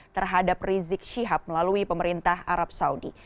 terhadap rizik syihab melalui pemerintah arab saudi